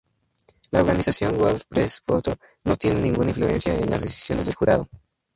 La organización World Press Photo no tiene ninguna influencia en las decisiones del jurado.